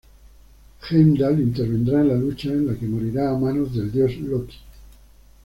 Heimdal intervendrá en la lucha, en la que morirá a manos del dios Loki.